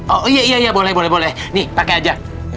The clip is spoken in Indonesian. oh iya boleh boleh nih pake aja